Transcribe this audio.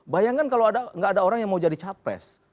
bayangkan kalau nggak ada orang yang mau jadi capres